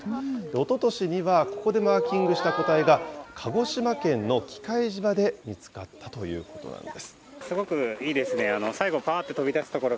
おととしにはここでマーキングした個体が、鹿児島県の喜界島で見つかったということなんです。